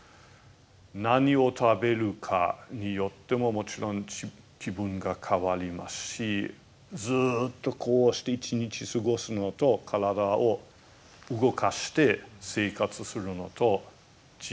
何を食べるかによってももちろん気分が変わりますしずっとこうして一日過ごすのと体を動かして生活するのと違いますね。